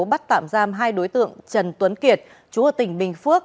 bắt tạm giam hai đối tượng trần tuấn kiệt chú ở tỉnh bình phước